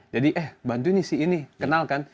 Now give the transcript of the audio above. jadi eh bantuin isi ini kenalkan